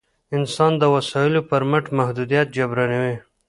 انسان د وسایلو پر مټ محدودیت جبرانوي.